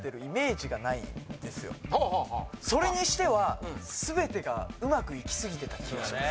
それにしては全てがうまくいきすぎてた気がします